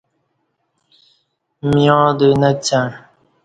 مِعاں دوی نہ کڅݩع